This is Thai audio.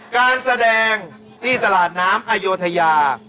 การแสดงที่ตลาดน้ำอโยธยา